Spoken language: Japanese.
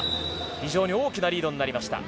非常に大きなリードになりました。